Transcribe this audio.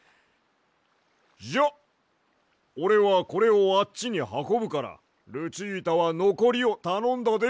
じゃあおれはこれをあっちにはこぶからルチータはのこりをたのんだで。